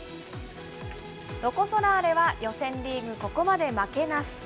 ロコ・ソラーレは予選リーグ、ここまで負けなし。